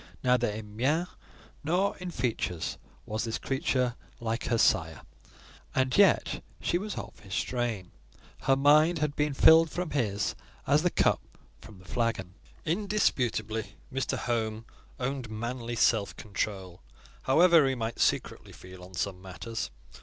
Neither in mien nor in features was this creature like her sire, and yet she was of his strain: her mind had been filled from his, as the cup from the flagon. Indisputably, Mr. Home owned manly self control, however he might secretly feel on some matters.